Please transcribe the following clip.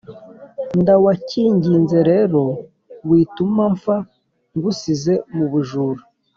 ndawkinginze rero wituma mfa ngusize mubujura…….